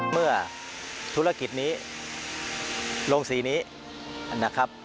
เมื่อธุรกิจนี้ลงสีนี้นะครับ